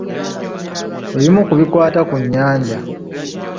Ebimu ku bikwata ku nnyanja.